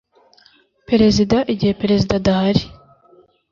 perezida igihe perezida adahari